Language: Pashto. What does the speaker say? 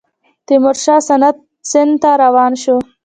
تیمورشاه سند ته روان شو.